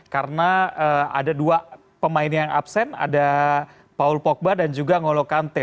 karena ada dua pemain yang absen ada paul pogba dan juga n'olo kante